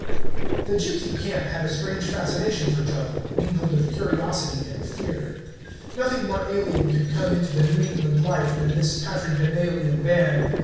The gypsy camp had a strange fascination for John, mingled of curiosity and fear. Nothing more alien could come into the New England life than this tatterdemalion band.